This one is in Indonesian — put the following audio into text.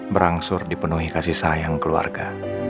berangsur dipenuhi kasih sayang keluarga